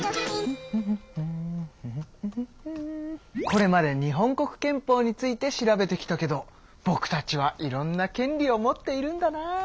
これまで日本国憲法について調べてきたけどぼくたちはいろんな権利を持っているんだな。